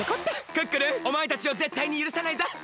クックルンおまえたちをぜったいにゆるさないぞ！